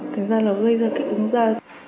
thành ra là gây ra kích ứng da